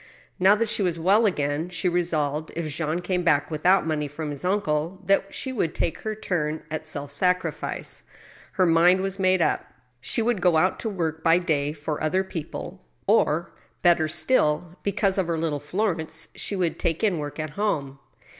Now that she was well again, she resolved, if Jean came back THE BUTCHER'S SHOP. 71 without money from his uncle, that she would take her turn at self sacrifice. Her mind was made up. She would go out to work by the day for other people, or, better still, because of her little Flor ence, she would take in work at home.